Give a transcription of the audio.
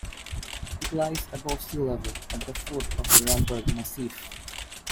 It lies at above sea level, at the foot of the Ramberg massif.